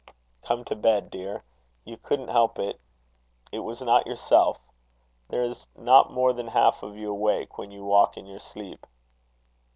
"Come to bed, dear. You couldn't help it. It was not yourself. There is not more than half of you awake, when you walk in your sleep."